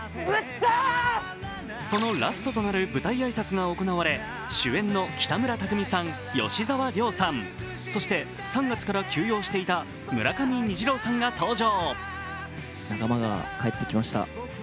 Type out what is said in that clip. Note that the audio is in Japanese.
そのラストとなる舞台挨拶が行われ主演の北村匠海さん、吉沢亮さんそして、３月から休養していた村上虹郎さんが登場。